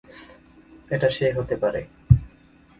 এটা সে হতে পারে।